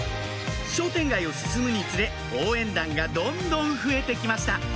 商店街を進むにつれ応援団がどんどん増えて来ました